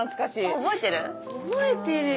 覚えてるよ。